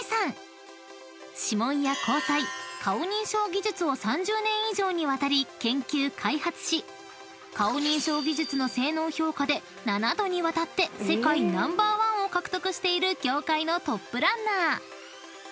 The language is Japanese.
［指紋や虹彩顔認証技術を３０年以上にわたり研究・開発し顔認証技術の性能評価で七度にわたって世界ナンバーワンを獲得している業界のトップランナー］